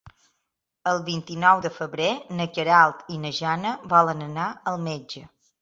El vint-i-nou de febrer na Queralt i na Jana volen anar al metge.